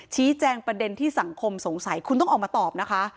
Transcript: ประเด็นที่สังคมสงสัยคุณต้องออกมาตอบนะคะ